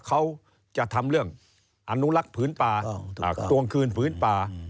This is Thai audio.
เขาจะทำเรื่องอนุลักษ์ผืนป่าทวงคืนผืนป่า